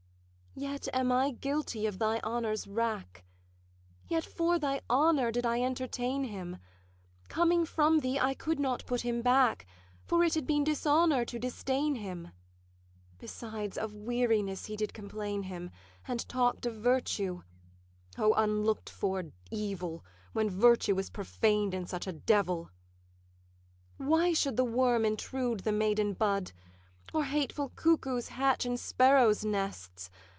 'Yet am I guilty of thy honour's wrack; Yet for thy honour did I entertain him; Coming from thee, I could not put him back, For it had been dishonour to disdain him: Besides, of weariness he did complain him, And talk'd of virtue: O unlook'd for evil, When virtue is profaned in such a devil! 'Why should the worm intrude the maiden bud? Or hateful cuckoos hatch in sparrows' nests?